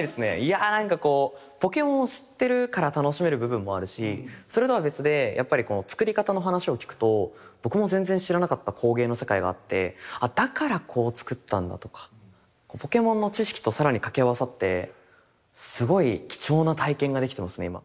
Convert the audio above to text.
いやあなんかこうポケモンを知ってるから楽しめる部分もあるしそれとは別でやっぱりこう作り方の話を聞くと僕も全然知らなかった工芸の世界があってあだからこう作ったんだとかポケモンの知識と更に掛け合わさってすごい貴重な体験ができてますね今。